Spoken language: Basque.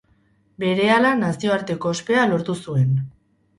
Berehala nazioarteko ospea lortu zuen.